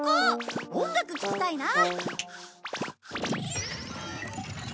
音楽聴きたいな。